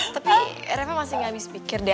tapi reva masih gak habis pikir deh